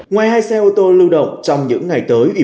ngoài hai xe ô tô lưu động trong những ngày tới